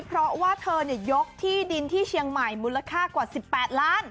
เพราะว่าเธอยกที่ดินที่เชียงใหม่มูลค่ากว่า๑๘ล้าน